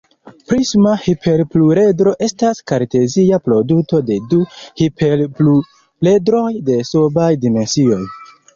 Prisma hiperpluredro estas kartezia produto de du hiperpluredroj de subaj dimensioj.